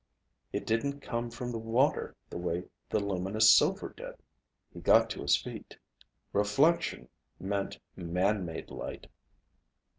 It didn't come from the water the way the luminous silver did! He got to his feet. Reflection meant man made light!